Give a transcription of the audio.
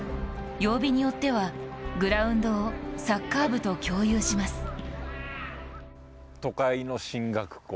曜日によってはグラウンドをサッカー部と共有します。